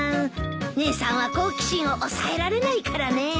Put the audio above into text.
姉さんは好奇心を抑えられないからね。